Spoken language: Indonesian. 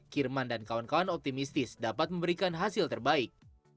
kirman dan kawan kawan optimistis dapat memberikan hasil terbaik